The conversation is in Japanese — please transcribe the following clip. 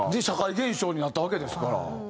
社会現象になったわけですから。